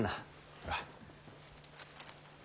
ほら。